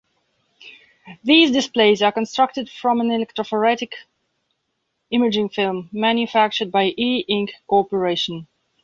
These displays are constructed from an electrophoretic imaging film manufactured by E Ink Corporation.